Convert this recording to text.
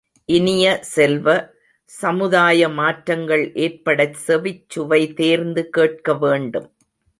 இனிய செல்வ, சமுதாய மாற்றங்கள் ஏற்படச் செவிச்சுவை தேர்ந்து கேட்க வேண்டும்.